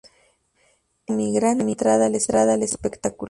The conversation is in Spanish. Es como mi gran entrada al espectáculo.